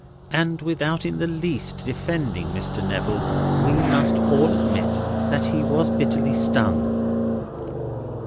And without in the least defending Mr. Neville, we must all admit that he was bitterly stung."